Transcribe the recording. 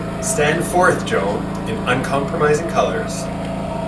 Stand forth, Jo, in uncompromising colours!